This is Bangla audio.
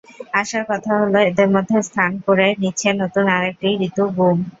আশার কথা হলো, এদের মধ্যে স্থান করে নিচ্ছে নতুন আরেকটি ঋতু—গুম।